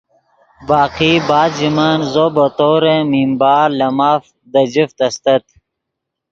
باقی بعد ژے من زو بطور ممبار لے ماف دے جفت استت